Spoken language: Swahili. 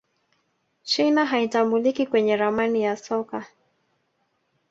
china haitambuliki kwenye ramani ya soka